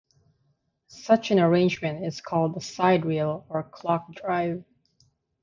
Such an arrangement is called a sidereal or clock drive.